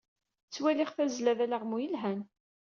Ttwaliɣ tazzla d alaɣmu yelhan.